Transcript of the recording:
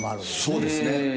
そうですね。